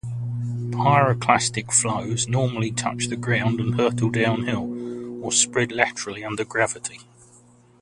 Pyroclastic flows normally touch the ground and hurtle downhill, or spread laterally under gravity.